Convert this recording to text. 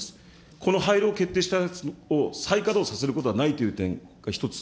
この廃炉、決定したのを再稼働させることはないという点、１つ。